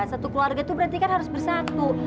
satu keluarga itu berarti kan harus bersatu